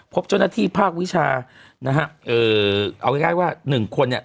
พบเจ้าหน้าที่ภาควิชานะฮะเอาใกล้ว่า๑คนเนี่ย